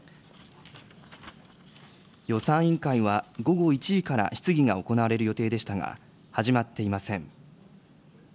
予算委員会は、午後１時から質疑が行われる予定でしたが、始まっていません。